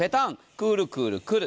くーるくるくる。